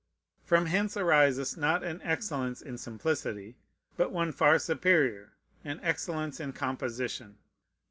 From hence arises, not an excellence in simplicity, but one far superior, an excellence in composition.